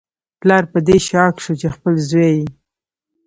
پلار په دې شاک شو چې خپل زوی یې